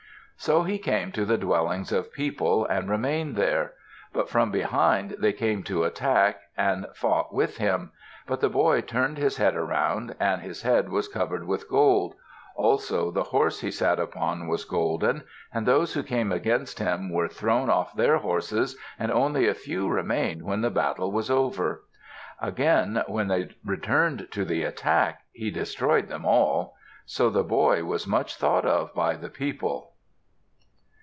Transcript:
So he came to the dwellings of people and remained there. But from behind they came to attack and fought with them. But the boy turned his head around, and his head was covered with gold; also the horse he sat upon was golden, and those who came against him were thrown off their horses and only a few remained when the battle was over. Again, when they returned to the attack, he destroyed them all. So the boy was much thought of by the people.